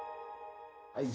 はい。